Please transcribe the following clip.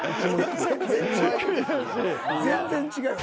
全然違うよ。